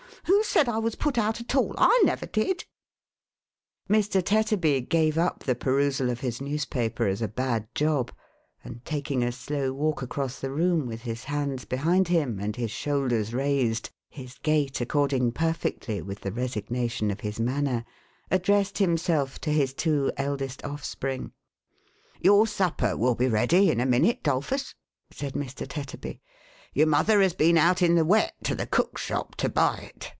Who said I was put out at all ?/ never did.'' SUPPER PREPARATIONS. 457 Mr. Tetterby gave up the perusal of his newspaper as a bad job, and, taking a slow walk across the room, with his hands behind him, and his shoulders raised — his gait accord ing perfectly with the resignation of his manner — addressed himself to his two eldest offspring. " Your supper will be ready in a minute, "Dolphus," said Mr. Tetterby. " Your mother has been out in the wet, to the cook's shop, to buy it.